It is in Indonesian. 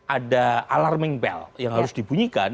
ada alarming belt yang harus dibunyikan